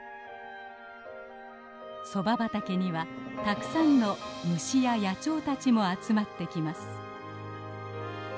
ソバ畑にはたくさんの虫や野鳥たちも集まってきます。